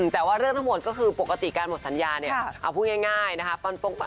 แต่ว่าเรื่องทั้งหมดก็คือปกติการหมดสัญญาเนี่ยเอาพูดง่ายนะคะ